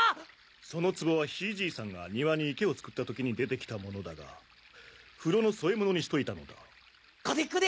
その壺は曽祖父さんが庭に池を作った時に出てきたものだが風呂の添え物にしといたのだこれくれ！